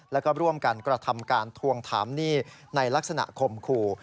แล้วก็ร่วมกันกระทำการทวงถามหนี้ในลักษณะข่มขู่